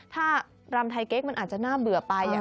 ถ้ารำไทยเก๊กมันอาจจะน่าเบื่อไป